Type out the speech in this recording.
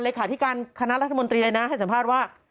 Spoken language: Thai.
เลขาทิการคณะรัฐมนตรีเลยนะให้สัมภาษณ์ว่า